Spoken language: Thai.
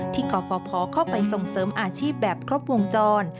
กรฟภเข้าไปส่งเสริมอาชีพแบบครบวงจร